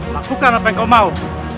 lakukan apa yang kau mau